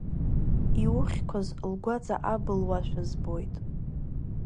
Иухьқәаз лгәаҵа абылуашәа збоит.